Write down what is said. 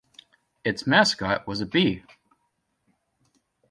Its mascot was a bee.